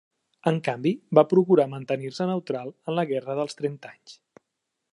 En canvi, va procurar mantenir-se neutral en la Guerra dels Trenta Anys.